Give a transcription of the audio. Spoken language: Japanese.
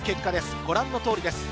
ご覧のとおりです。